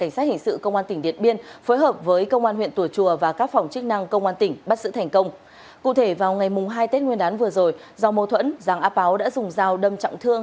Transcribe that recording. sau ngày mùng hai tết nguyên đán vừa rồi do mâu thuẫn giang áp áo đã dùng rào đâm trọng thương